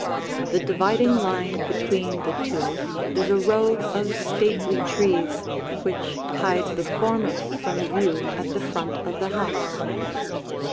The dividing line between the two is a row of stately trees which hide the former from view at the front of the house.